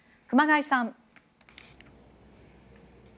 熊谷さん。